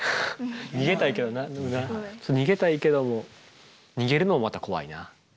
逃げたいけどなでもな逃げたいけども逃げるのもまた怖いな。